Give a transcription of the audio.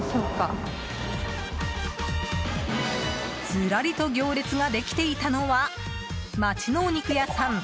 ずらりと行列ができていたのはまちのお肉屋さん